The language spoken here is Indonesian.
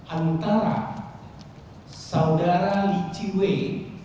antara saudara li chi wei